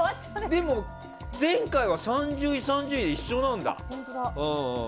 でも前回は３０位、３０位で一緒なんだ。